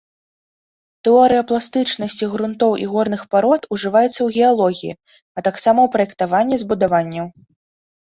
Тэорыя пластычнасці грунтоў і горных парод ужываецца ў геалогіі, а таксама ў праектаванні збудаванняў.